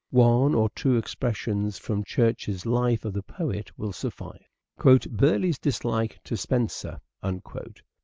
One or two expressions fromChurch's life of the poet will suffice :" Burleigh's dislike to Spenser " (p.